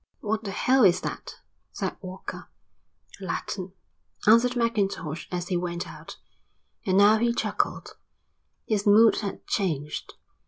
_" "What the hell is that?" said Walker. "Latin," answered Mackintosh as he went out. And now he chuckled. His mood had changed.